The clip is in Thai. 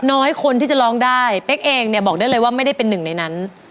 น้อยคนที่จะร้องได้เป๊กเองเนี่ยบอกได้เลยว่าไม่ได้เป็นหนึ่งในนั้น